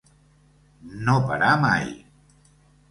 No parar mai.